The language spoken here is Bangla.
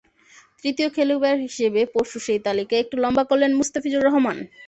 তৃতীয় খেলোয়াড় হিসেবে পরশু সেই তালিকা একটু লম্বা করলেন মুস্তাফিজুর রহমান।